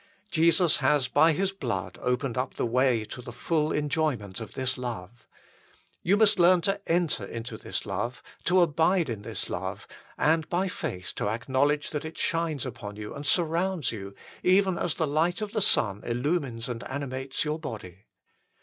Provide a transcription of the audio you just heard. Jesus has by His blood opened up the way to the full enjoyment of this love. You must learn to enter into this love, to abide in this love, and by faith to acknowledge that it shines upon you and surrounds you, even as the light of the sun illumines and animates your body.